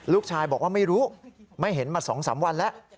ลูกชายบอกว่าไม่รู้ไม่เห็นมา๒๓วันแล้ว